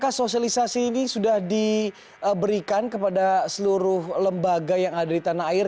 apakah sosialisasi ini sudah diberikan kepada seluruh lembaga yang ada di tanah air